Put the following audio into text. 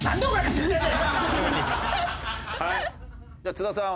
「津田さん。